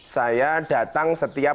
saya datang setiap